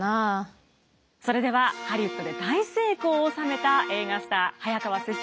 それではハリウッドで大成功を収めた映画スター早川雪洲